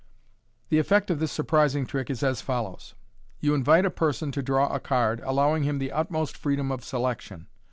The effect of this surprising trick is as follows :— You invite a person to draw a card, allowing him the utmost freedom of selection.